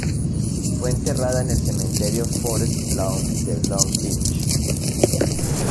Fue enterrada en el Cementerio Forest Lawn de Long Beach.